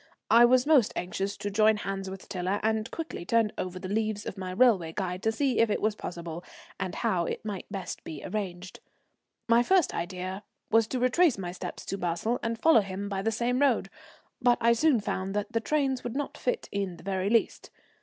I was most anxious to join hands with Tiler, and quickly turned over the leaves of my railway guide to see if it was possible, and how it might best be managed. My first idea was to retrace my steps to Basle and follow him by the same road. But I soon found that the trains would not fit in the very least.